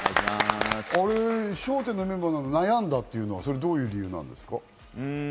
『笑点』のメンバー、悩んだっていうのはどういう理由なんですか？